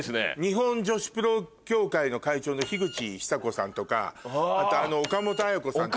日本女子プロ協会の会長の樋口久子さんとかあと岡本綾子さんとか。